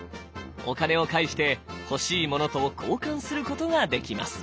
お金を介して欲しいものと交換することができます。